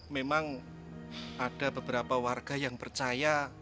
memang ada beberapa warga yang percaya